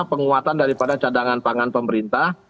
penguatan daripada cadangan pangan pemerintah